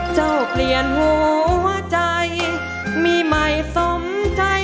เจ้าเปลี่ยนหัวใจมีใหม่สมใจมุ่งใจ